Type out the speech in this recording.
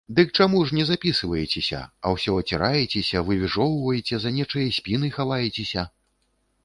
Дык чаму ж не запісваецеся, а ўсе аціраецеся, вывіжоўваеце, за нечыя спіны хаваецеся?